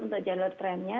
untuk jalur tramnya